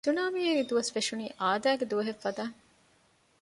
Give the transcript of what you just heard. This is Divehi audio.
ސުނާމީ އެރި ދުވަސް ފެށުނީ އާދައިގެ ދުވަހެއް ފަދައިން